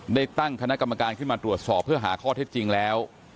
ได้ตั้งคณะกรรมการขึ้นมาตรวจสอบเพื่อหาข้อเท็จจริงแล้ว